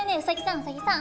ウサギさん。